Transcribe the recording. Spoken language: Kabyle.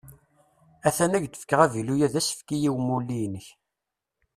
At-an ad k-d-fkeɣ avilu-a d asefk i umulli-inek.